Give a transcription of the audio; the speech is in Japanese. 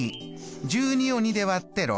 １２を２で割って６。